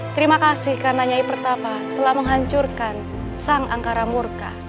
terima kasih karena nyai pertama telah menghancurkan sang angkara murka